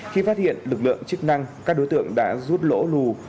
khi phát hiện lực lượng chức năng các đối tượng đã rút lỗ lù